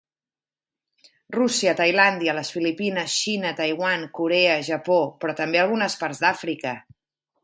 Rússia, Tailàndia, Les Filipines, Xina, Taiwan, Corea, Japó, però també algunes parts d'Àfrica.